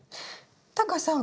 タカさん